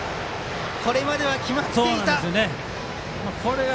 これまでは決まっていましたが。